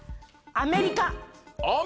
アメリカ。